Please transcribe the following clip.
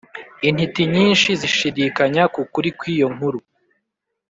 intiti nyinshi zishidikanya ku kuri kw’iyo nkuru.